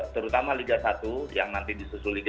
terutama liga satu yang nanti disusul liga